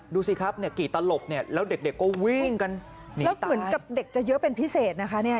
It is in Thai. ดูสิครับเนี่ยกี่ตลบเนี่ยแล้วเด็กก็วิ่งกันแล้วเหมือนกับเด็กจะเยอะเป็นพิเศษนะคะเนี่ย